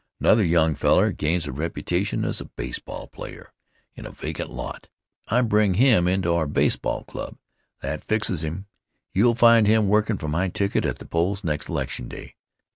Another young feller gains a reputation as a baseball player in a vacant lot. I bring him into our baseball dub. That fixes him. You'll find him workin' for my ticket at the polls next election day.